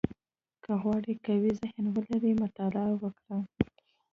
• که غواړې قوي ذهن ولرې، مطالعه وکړه.